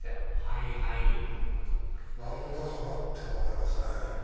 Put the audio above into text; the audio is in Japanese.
はいはい何だかな？っていうのがありますね。